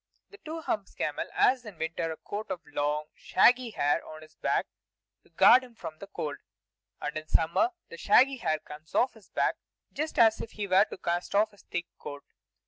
The Two Humps camel has in winter a coat of long, shaggy hair on his back to guard him from the cold; and in summer the shaggy hair comes off his back, just as if he were to cast off his thick coat.